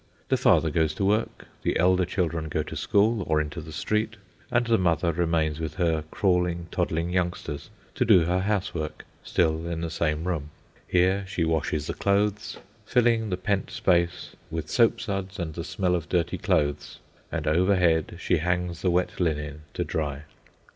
The father goes to work, the elder children go to school or into the street, and the mother remains with her crawling, toddling youngsters to do her housework—still in the same room. Here she washes the clothes, filling the pent space with soapsuds and the smell of dirty clothes, and overhead she hangs the wet linen to dry.